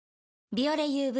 「ビオレＵＶ」